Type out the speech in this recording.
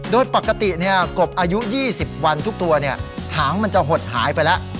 โดยปกติเนี้ยกบอายุยี่สิบวันทุกตัวเนี้ยหางมันจะหดหายไปแล้ว